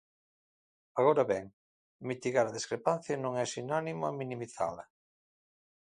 Agora ben, mitigar a discrepancia non é sinónimo a minimizala.